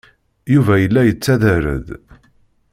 Yuba yella yettader-d.